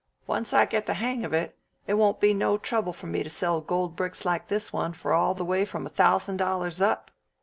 Once I get the hang of it, it won't be no trouble for me to sell gold bricks like this one for all the way from a thousand dollars up.